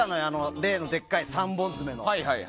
例のでっかい３本爪の。